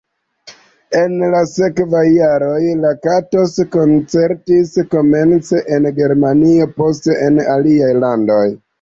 En la sekvaj jaroj Lakatos koncertis, komence en Germanio, poste en aliaj landoj.